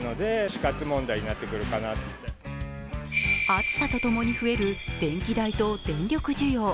暑さとともに増える電気代と電力需要。